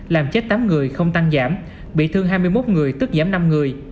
làm chết tám người không tăng giảm bị thương hai mươi một người tức giảm năm người